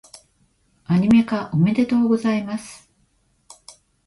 アニメ化、おめでとうございます！